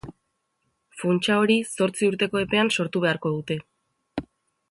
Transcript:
Funtsa hori zortzi urteko epean sortu beharko dute.